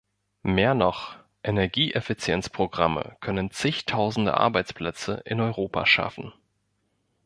Mehr noch, Energieeffizienzprogramme können Zigtausende Arbeitsplätze in Europa schaffen.